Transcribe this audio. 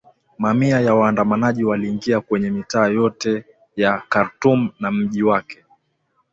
Mamia ya waandamanaji waliingia kwenye mitaa yote ya Khartoum na mji wake